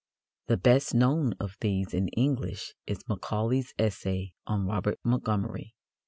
The best known of these in English is Macaulay's essay on Robert Montgomery.